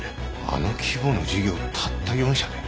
あの規模の事業をたった４社で。